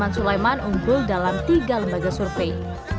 sulaiman unggul dalam tiga lembaga survei